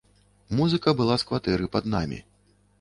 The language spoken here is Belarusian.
Музыка была з кватэры пад намі.